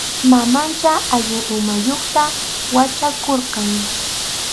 Mamanchá allin umayuqta wachakurqan.